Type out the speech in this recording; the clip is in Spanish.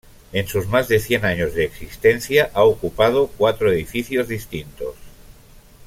En sus más de cien años de existencia, ha ocupado cuatro edificios distintos.